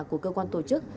của cơ quan tổ chức